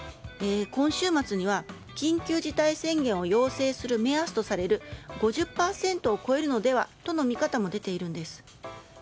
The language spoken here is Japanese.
今週末には、緊急事態宣言を要請する目安とされる５０％を超えるのではとの見方も出ているんです。